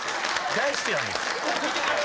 大好きなんです。